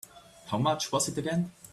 How much was it again?